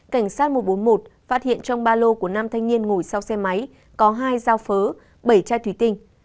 cảnh sát một trăm bốn mươi một phát hiện trong ba lô của nam thanh niên ngồi sau xe máy có hai dao phớ bảy chai thủy tinh